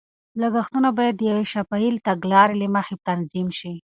لګښتونه باید د یوې شفافې تګلارې له مخې تنظیم شي.